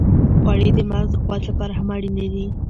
غوړې د مغز د قوت لپاره هم اړینې دي.